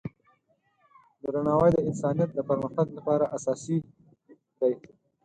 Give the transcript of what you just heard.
درناوی د انسانیت د پرمختګ لپاره اساسي دی.